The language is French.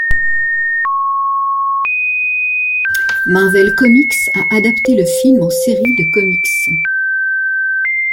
Marvel Comics a adapté le film en série de comics.